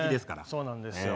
そうなんですよ。